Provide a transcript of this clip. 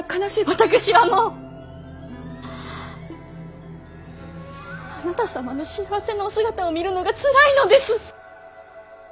私はもうあなた様の幸せなお姿を見るのがつらいのです！